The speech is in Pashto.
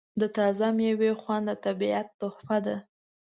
د تازه میوې خوند د طبیعت تحفه ده.